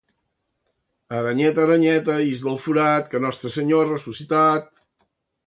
Aranyeta, aranyeta, ix del forat, que Nostre Senyor ha ressuscitat.